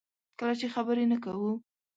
کله چې خبرې نه کوو.